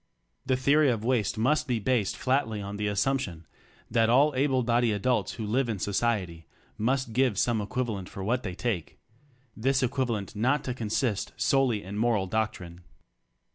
The theory of waste must be based flatly on the assump tion that all able bodied adults who live in society, must give some equivalent for what they take — this equivalent not to consist solely in moral doctrine.